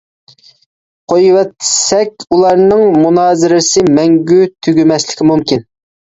قويۇۋەتسەك، ئۇلارنىڭ مۇنازىرىسى مەڭگۈ تۈگىمەسلىكى مۇمكىن.